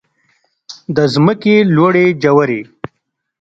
د ځمکې لوړې ژورې.